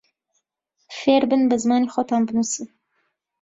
فێربن بە زمانی خۆتان بنووسن